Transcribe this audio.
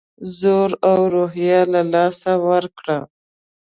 زور او روحیه له لاسه ورکړه.